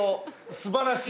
すばらしい。